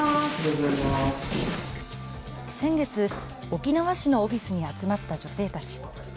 先月、沖縄市のオフィスに集まった女性たち。